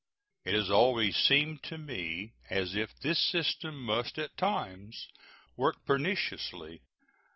It has always seemed to me as if this system must at times work perniciously.